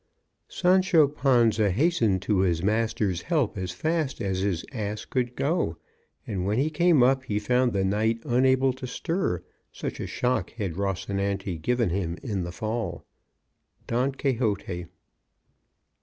Sancho Panza hastened to his master's help as fast as his ass could go, and when he came up he found the knight unable to stir, such a shock had Rosinante given him in the fall. _Don Quixote.